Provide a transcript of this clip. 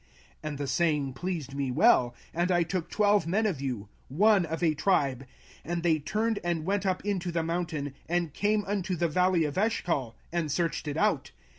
05:001:023 And the saying pleased me well: and I took twelve men of you, one of a tribe: 05:001:024 And they turned and went up into the mountain, and came unto the valley of Eshcol, and searched it out.